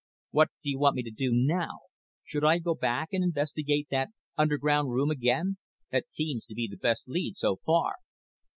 What do you want me to do now? Should I go back and investigate that underground room again? That seems to be the best lead so far."